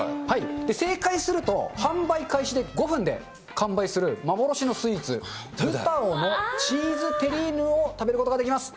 正解すると、販売開始で、５分で完売する、幻のスイーツ、ルタオのチーズテリーヌを食べることができます。